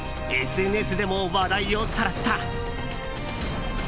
ＳＮＳでも話題をさらった。